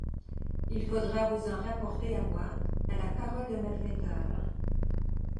Il faudra vous en rapporter à moi, à la parole d’un malfaiteur!